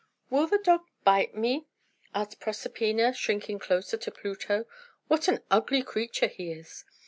"Will the dog bite me?" asked Proserpina, shrinking closer to Pluto. "What an ugly creature he is!"